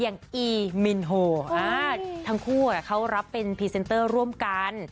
อีมินโฮทั้งคู่เขารับเป็นพรีเซนเตอร์ร่วมกัน